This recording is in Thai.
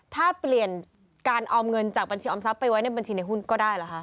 ถ้าเปลี่ยนการออมเงินจากบัญชีออมทรัพย์ไปไว้ในบัญชีในหุ้นก็ได้เหรอคะ